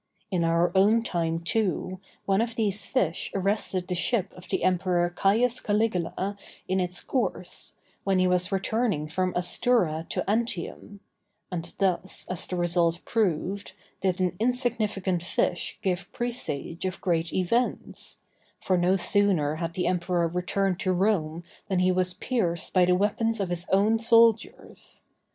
In our own time, too, one of these fish arrested the ship of the Emperor Caius Caligula in its course, when he was returning from Astura to Antium: and thus, as the result proved, did an insignificant fish give presage of great events; for no sooner had the emperor returned to Rome than he was pierced by the weapons of his own soldiers.